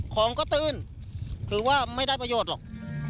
ของก็ตื้นคือว่าไม่ได้ประโยชน์หรอก